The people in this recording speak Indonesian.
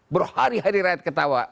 berhari hari rakyat ketawa